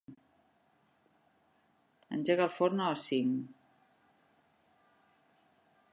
Engega el forn a les cinc.